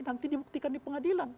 nanti dibuktikan di pengadilan